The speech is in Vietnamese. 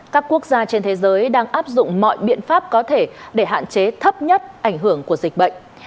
các quốc gia trên thế giới đang áp dụng mọi biện pháp có thể để hạn chế thấp nhất ảnh hưởng của dịch bệnh